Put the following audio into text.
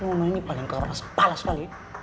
nona ini paling keras pala sekali ya